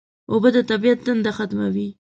اوبه د طبیعت تنده ختموي